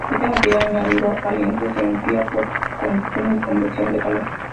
Este material añadido caliente se enfría por conducción y convección de calor.